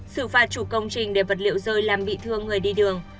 xử phạt chủ công trình để vật liệu rơi làm bị thương người đi đường